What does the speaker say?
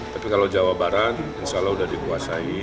tapi kalau jawa barat insya allah sudah dikuasai